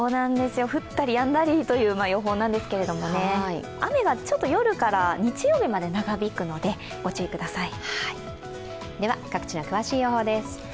降ったりやんだりという予報なんですけれども、雨がちょっと夜から日曜日まで長引くので、ご注意ください。